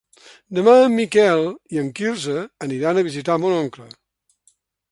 Demà en Miquel i en Quirze aniran a visitar mon oncle.